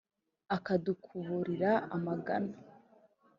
Akadukuburira amagana.